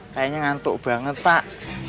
kayaknya ngantuk banget pak